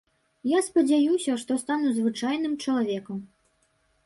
Я спадзяюся, што стану звычайным чалавекам.